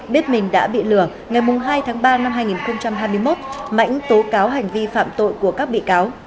biết mình đã bị lừa ngày hai tháng ba năm hai nghìn hai mươi một mãnh tố cáo hành vi phạm tội của các bị cáo